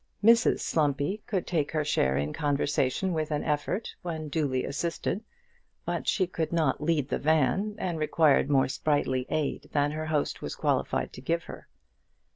Mrs Slumpy could take her share in conversation with an effort, when duly assisted; but she could not lead the van, and required more sprightly aid than her host was qualified to give her.